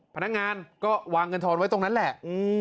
พนักงานก็วางเงินทอนไว้ตรงนั้นแหละ